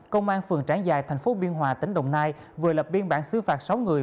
công an phường trảng giài thành phố biên hòa tỉnh đồng nai vừa lập biên bản xứ phạt sáu người